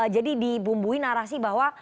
jadi dibumbui narasi bahwa